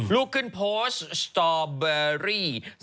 ลูกขึ้นโพสตอเบอร์รี่